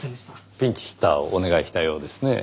ピンチヒッターをお願いしたようですね。